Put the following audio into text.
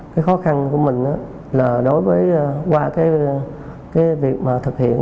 cái khó khăn của mình là đối với qua cái việc mà thực hiện